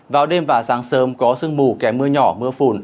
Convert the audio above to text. vào đêm và sáng sớm có sương mù kèm mưa nhỏ mưa phùn